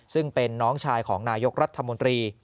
ซึ่งเป็นน้องชายของนายกรัฐมนตรี